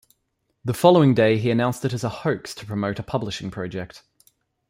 The following day he announced it as a hoax to promote a publishing project.